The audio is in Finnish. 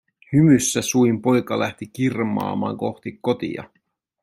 Hymyssä suin poika lähti kirmaamaan kohti kotia.